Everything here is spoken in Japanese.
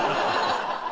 ハハハハ！